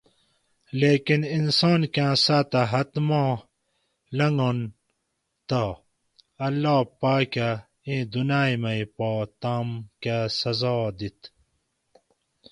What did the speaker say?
لیکن انسان کاۤں ساۤتہ حد ما لنگن تہ اللّٰہ پاکہ اِیں دنائ مئ پا تام کہ سزا دیت